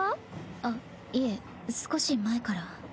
あっいえ少し前から。